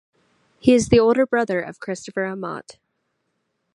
He is the older brother of Christopher Amott.